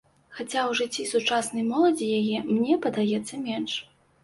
Хаця ў жыцці сучаснай моладзі яе, мне падаецца, менш.